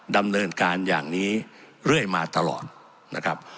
ดำเนินการอย่างนี้เรื่อยมาตลอดนะครับ